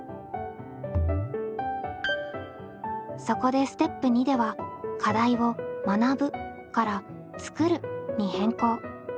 そこでステップ２では課題を「学ぶ」から「作る」に変更。